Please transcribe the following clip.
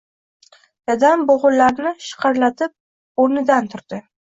Dadam bo‘g‘inlarini shiqirlatib o‘midan turdi.